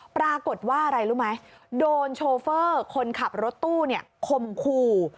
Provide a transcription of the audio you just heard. ปรากฏว่าอะไรรู้ไหมโดนโชเฟอร์คนขับรถตู้คมคู่